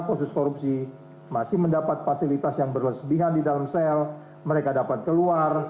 kasus korupsi masih mendapat fasilitas yang berlebihan di dalam sel mereka dapat keluar